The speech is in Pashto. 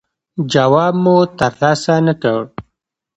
جواب مو ترلاسه نه کړ.